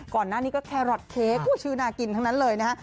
ก่อนหน้านี้ก็แครอทเค้กชื่อน่ากินทั้งนั้นเลยนะฮะ